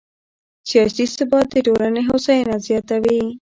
سیاسي ثبات د ټولنې هوساینه زیاتوي